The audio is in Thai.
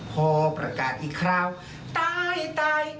พอประกาศอีกคราวตาย